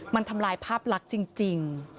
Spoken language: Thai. มันทำลายภาพลักษณ์จริง